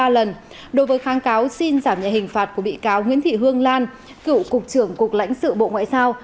hai trăm năm mươi ba lần đối với kháng cáo xin giảm nhẹ hình phạt của bị cáo nguyễn thị hương lan cựu cục trưởng cục lãnh sự bộ ngoại giao